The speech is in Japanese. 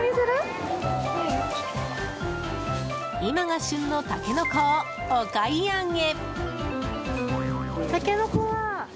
今が旬のタケノコをお買い上げ。